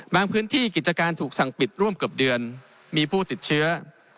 พื้นที่กิจการถูกสั่งปิดร่วมเกือบเดือนมีผู้ติดเชื้อ